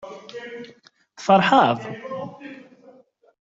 Tferḥeḍ?